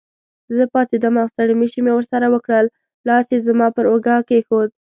زه پاڅېدم او ستړي مشي مې ورسره وکړل، لاس یې زما پر اوږه کېښود.